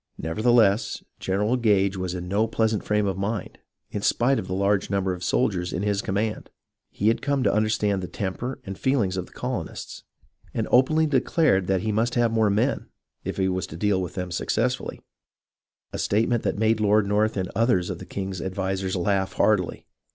Nevertheless, General Gage was in no pleasant frame of mind, in spite of the large number of soldiers in his com mand. He had come to understand the temper and feel ings of the colonists, and openly declared that he must have more men, if he was to deal with them successfully, a statement that made Lord North and others of the king's advisers laugh heartily.